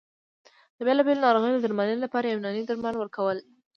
د بېلابېلو ناروغیو د درملنې لپاره یوناني درمل ورکول